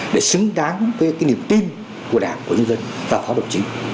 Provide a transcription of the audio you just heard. với cái niềm tin của đảng của dân dân và phó đồng chí